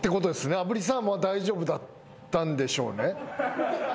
炙りサーモンは大丈夫だったんでしょうね。